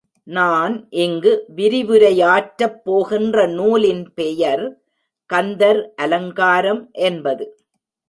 நான் இங்கு விரிவுரையாற்றப் போகின்ற நூலின் பெயர் கந்தர் அலங்காரம் என்பது.